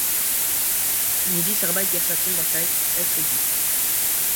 Niri zerbait gertatzen bazait, ez segi.